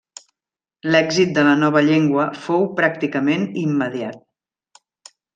L'èxit de la nova llengua fou pràcticament immediat.